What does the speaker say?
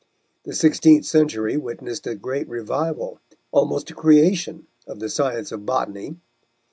The sixteenth century witnessed a great revival, almost a creation of the science of botany.